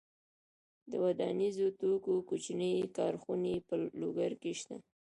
د ودانیزو توکو کوچنۍ کارخونې په لوګر کې شته.